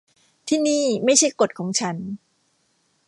ที่นี่ไม่ใช่กฎของฉัน